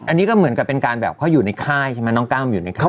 อันนี้ก็เหมือนกับเป็นการแบบเขาอยู่ในค่ายใช่ไหมน้องกล้ามอยู่ในค่าย